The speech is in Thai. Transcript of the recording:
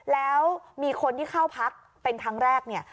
แล้วมีคนที่เข้าพักเป็นครั้งแรกเนี่ย